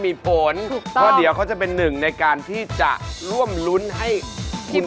ในตัวเศร้าหรือพิชาพอดเวียนนาน